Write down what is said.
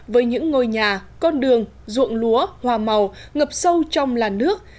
với những ngôi nhà con đường ruộng lúa hoa màu ngập sâu trong làn nước